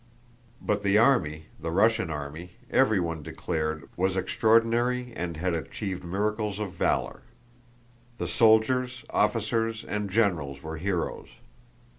But the army, the Russian army, everyone declared, was extraordinary and had achieved miracles of valor. The soldiers, officers, and generals were heroes.